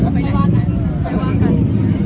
เท่านั้นจากวันตอนนี้อีกไปได้บ้างไหม